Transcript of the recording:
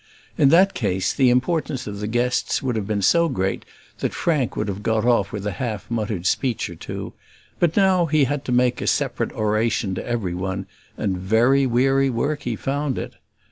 In that case the importance of the guests would have been so great that Frank would have got off with a half muttered speech or two; but now he had to make a separate oration to every one, and very weary work he found it.